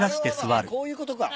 あっこういうことか。